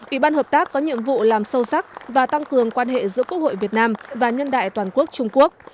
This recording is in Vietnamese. ủy ban hợp tác có nhiệm vụ làm sâu sắc và tăng cường quan hệ giữa quốc hội việt nam và nhân đại toàn quốc trung quốc